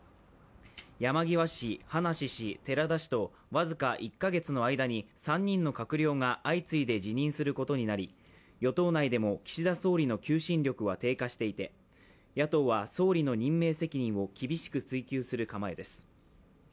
山際氏、葉梨氏、寺田氏と僅か２か月の間に３人の閣僚が相次いで辞任することになり与党内でも岸田総理の求心力は低下していて野党は、総理の任命責任を厳しく追及する構えです。